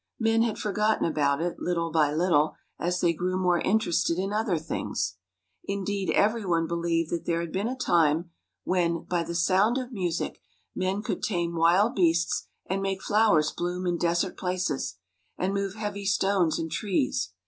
Men had for gotten about it, little by little, as they grew more interested in other things. Indeed, every one believed that there had been a time when, by the sound of music, men could tame wild beasts and make flowers bloom in desert places, and move heavy stones and trees.